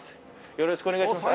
よろしくお願いします